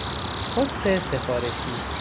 پست سفارشی